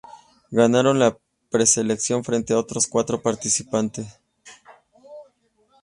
Ganaron la preselección frente a otros cuatro participantes.